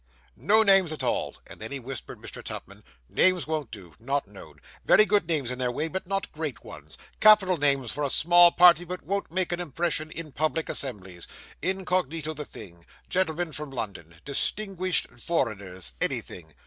'No names at all;' and then he whispered Mr. Tupman, 'names won't do not known very good names in their way, but not great ones capital names for a small party, but won't make an impression in public assemblies incog. the thing gentlemen from London distinguished foreigners anything.